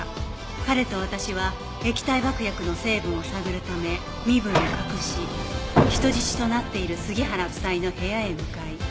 彼と私は液体爆薬の成分を探るため身分を隠し人質となっている杉原夫妻の部屋へ向かい